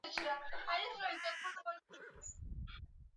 tetemeko kubwa la chini ya bahari maarufu kama tsunami